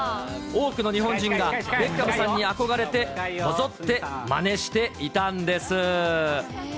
多くの日本人がベッカムさんに憧れて、こぞってまねしていたんです。